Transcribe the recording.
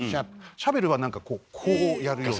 シャベルは何かこうこうやるような。